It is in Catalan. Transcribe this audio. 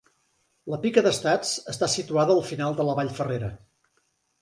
La Pica d'estats esta situada al final de la Vallferrera.